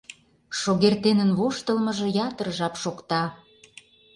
— Шогертенын воштылмыжо ятыр жап шокта...